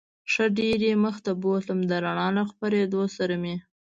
ښه ډېر یې مخ ته بوتلم، د رڼا له خپرېدو سره مې.